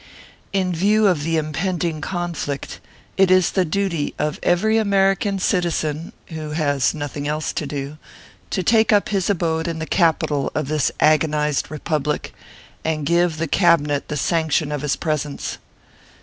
32 ORPHEUS C. KERU PAPERS. In view of the impending conflict, it is the duty of every American citizen, who has nothing else to do, to take up his abode in the capital of this agonized Republic, and give the Cabinet the sanction of his presence.